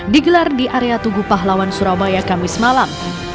digelar di area tugu pahlawan surabaya kamis malam